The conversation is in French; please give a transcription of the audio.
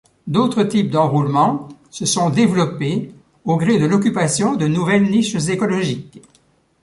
D'autres types d'enroulement se sont développés au gré de l'occupation de nouvelles niches écologiques.